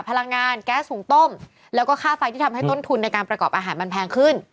พลังงานแก๊สหุงต้มแล้วก็ค่าไฟที่ทำให้ต้นทุนในการประกอบอาหารมันแพงขึ้น